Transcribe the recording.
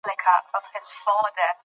واک د خلکو د حقونو د خوندي کولو وسیله ده.